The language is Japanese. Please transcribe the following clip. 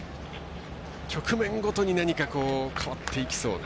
局面ごとに何か変わっていきそうな。